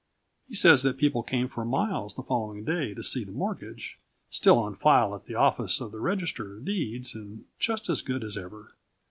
He says that people came for miles the following day to see the mortgage, still on file at the office of the register of deeds and just as good as ever.